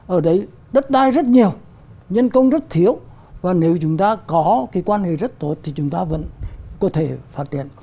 ở đấy đất đai rất nhiều nhân công rất thiếu và nếu chúng ta có cái quan hệ rất tốt thì chúng ta vẫn có thể phát triển